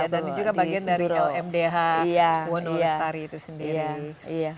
dan ini juga bagian dari umdh one world study itu sendiri